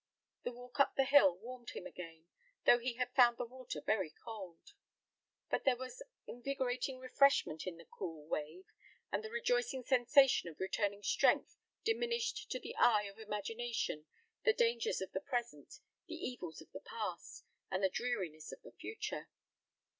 The walk up the hill warmed him again, though he had found the water very cold; but there was invigorating refreshment in the cool wave; and the rejoicing sensation of returning strength diminished to the eye of imagination the dangers of the present, the evils of the past, and the dreariness of the future.